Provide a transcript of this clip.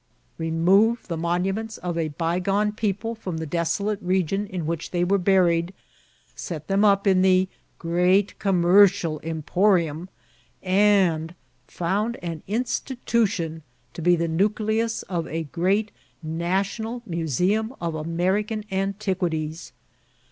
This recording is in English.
remove the monuments of a by gone people firom the desolate region in which they were buried, set them up in the << great commercial emporium," and found an institution to be the nucleus of a great national museum of American antiquities